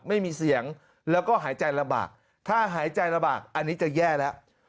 ไม่มีเสียงแล้วก็หายใจลำบากถ้าหายใจลำบากอันนี้จะแย่แล้ว